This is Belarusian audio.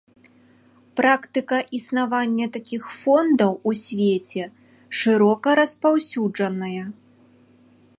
Практыка існавання такіх фондаў у свеце шырока распаўсюджаная.